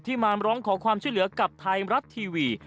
มาร้องขอความช่วยเหลือกับไทยรัฐทีวี